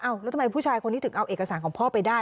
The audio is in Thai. แล้วทำไมผู้ชายคนนี้ถึงเอาเอกสารของพ่อไปได้